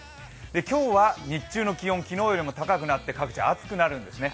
今日は日中の気温、昨日よりも高くなって各地暑くなるんですね。